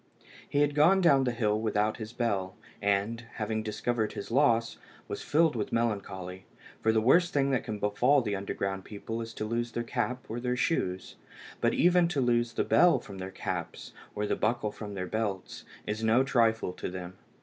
He had gone down into the hill without his bell, and, having discovered his loss, was filled with melancholy, for the worst thing that can befall the underground people is to lose their cap, or their shoes; but even to lose the bell from their caps, or the buckle from their belts, is no trifle to them.